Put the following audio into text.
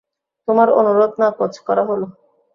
তোমার অনুরোধ নাকোচ করা হল!